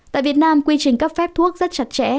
tại việt nam quy trình cấp phép thuốc rất chặt chẽ